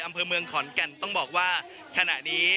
อำเภอเมืองขอนแก่นต้องบอกว่าขณะนี้